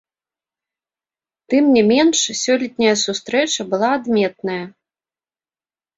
Тым не менш сёлетняя сустрэча была адметная.